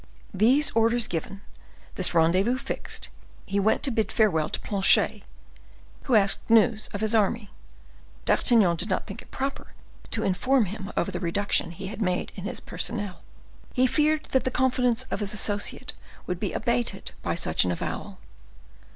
These orders given, this rendezvous fixed, he went to bid farewell to Planchet, who asked news of his army. D'Artagnan did not think it proper to inform him of the reduction he had made in his personnel. He feared that the confidence of his associate would be abated by such an avowal.